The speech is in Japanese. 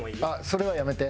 それはやめて。